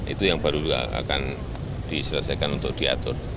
itu yang baru akan diselesaikan untuk diatur